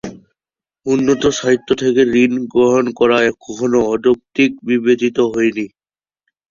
উন্নত সাহিত্য থেকে ঋণ গ্রহণ করা কখনো অযৌক্তিক বিবেচিত হয়নি।